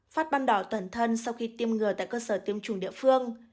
phát ban đỏ toàn thân sau khi tiêm ngừa tại cơ sở tiêm chủng địa phương